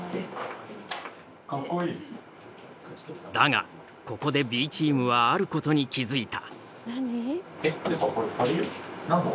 だがここでＢチームはあることに気付いた。